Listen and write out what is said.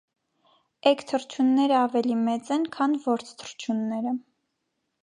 Էգ թռչունները ավելի մեծ են, քան որձ թռչունները։